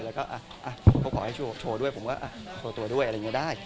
แล้วก็เขาขอให้โชว์ด้วยผมก็โชว์ตัวด้วยอะไรอย่างนี้ได้